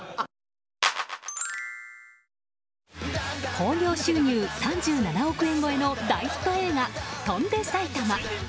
興行収入３７億円超えの大ヒット映画「翔んで埼玉」。